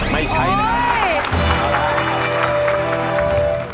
ไม่ใช้นะครับ